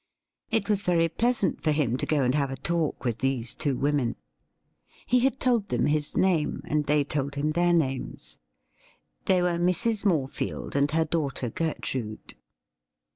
It was very pleasant for him to go and have a talk with these two women. He had told them his name, and they told him their names. They were Mrs. Morefield and her daughter Gertrude.